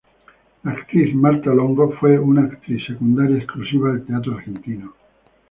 La actriz Marta Longo fue una actriz secundaria exclusiva del teatro argentino.